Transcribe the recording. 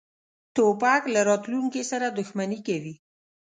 توپک له راتلونکې سره دښمني کوي.